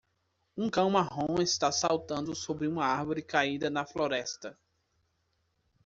Um cão marrom está saltando sobre uma árvore caída na floresta.